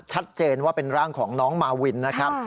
ชัดเจนว่าเป็นร่างของน้องมาวินนะครับ